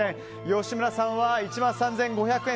吉村さんは１万３５００円。